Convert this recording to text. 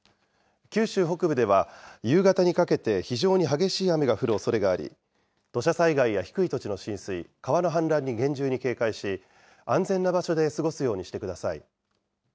九州北部では、夕方にかけて非常に激しい雨が降るおそれがあり、土砂災害や低い土地の浸水、川の氾濫に厳重に警戒し、安全な場所で過ごすようにしてください。